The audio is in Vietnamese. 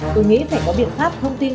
tôi nghĩ phải có biện pháp thông tin